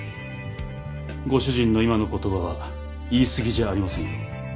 ご主人の今の言葉は言いすぎじゃありませんよ。